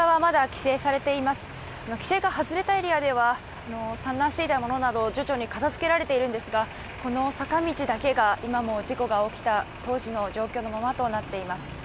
規制が外れたエリアでは散乱していたものなど徐々に片付けられているんですがこの坂道だけが今も事故が起きた当時の状況のままとなっています。